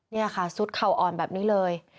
นี่ค่ะซุดเข่าอ่อนแบบนี้เลย